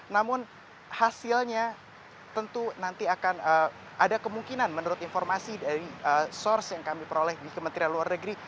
namun hasilnya tentu nanti akan ada kemungkinan menurut informasi dari source yang kami peroleh di kementerian luar negeri